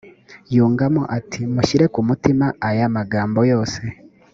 yungamo ati mushyire ku mutima aya magambo yose,